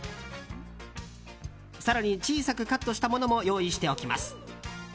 更に小さくカットしたものも用意しておきます。